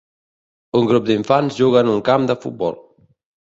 Un grup d'infants juga en un camp de futbol.